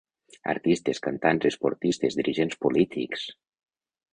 Artistes, cantants, esportistes, dirigents polítics...